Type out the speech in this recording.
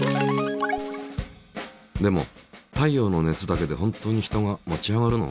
でも太陽の熱だけで本当に人が持ち上がるの？